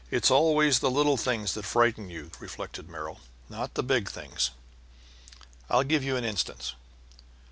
] "It's always the little things that frighten you," reflected Merrill, "not the big things. I'll give you an instance.